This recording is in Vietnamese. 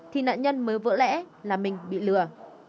thì nạn nhân mới vỡ lẽ là mình bị lừa